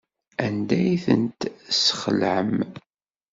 Anda ay ten-tesxelɛem?